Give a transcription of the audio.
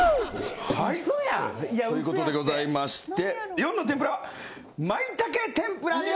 はいということでございまして肆の天ぷらはまいたけ天ぷらです。